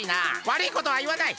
わるいことは言わない！